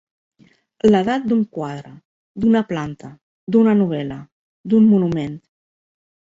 L'edat d'un quadre, d'una planta, d'una novel·la, d'un monument.